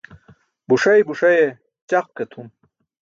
Buṣay buṣaye ćaq ke tʰum.